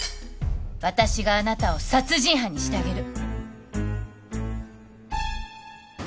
私があなたを殺人犯にしてあげる。